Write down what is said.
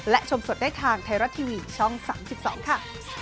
และชมสดได้ทางไทยรัฐทีวีช่อง๓๒ค่ะ